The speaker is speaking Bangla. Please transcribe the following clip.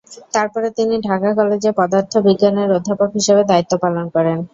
তারপরে তিনি ঢাকা কলেজে পদার্থবিজ্ঞানের অধ্যাপক হিসাবে দায়িত্ব পালন করেন।